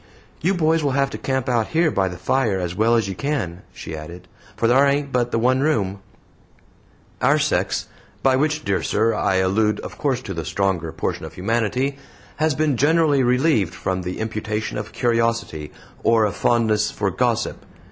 "You boys will have to camp out here by the fire as well as you can," she added, "for thar ain't but the one room." Our sex by which, my dear sir, I allude of course to the stronger portion of humanity has been generally relieved from the imputation of curiosity, or a fondness for gossip.